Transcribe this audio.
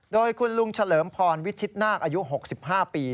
โดยคุณลุงเฉลิมพรวิชิตนาคอายุ๖๕ปี